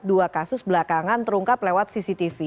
dua kasus belakangan terungkap lewat cctv